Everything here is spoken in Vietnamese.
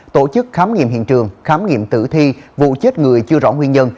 tổ chức khám nghiệm hiện trường khám nghiệm tử thi vụ chết người chưa rõ nguyên nhân